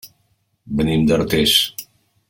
Venim d'Artés.